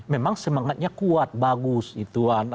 memang semangatnya kuat bagus itu